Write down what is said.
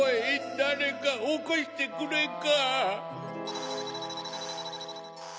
だれかおこしてくれんか？